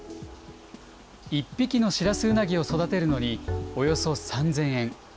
１匹のシラスウナギを育てるのにおよそ３０００円。